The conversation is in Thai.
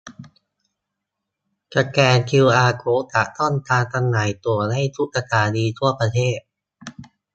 สแกนคิวอาร์โค้ดจากช่องจำหน่ายตั๋วได้ทุกสถานีทั่วประเทศ